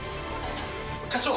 課長！